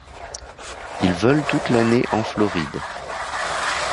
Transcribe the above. Il vole toute l'année en Floride.